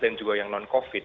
dan juga yang non covid